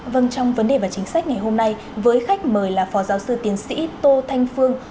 vâng trong vấn đề và chính sách ngày hôm nay với khách mời là phó giáo sư tiến sĩ tô thanh phương